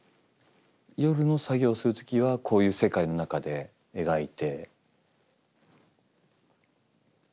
夜の作業する時はこういう世界の中で描いて。